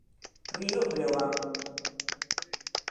Río Breogán.